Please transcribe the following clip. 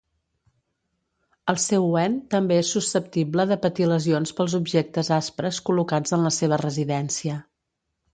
El seu wen també és susceptible de patir lesions pels objectes aspres col·locats en la seva residència.